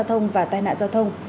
giao thông và tai nạn giao thông